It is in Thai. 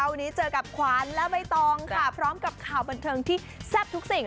วันนี้เจอกับขวานและใบตองค่ะพร้อมกับข่าวบันเทิงที่แซ่บทุกสิ่ง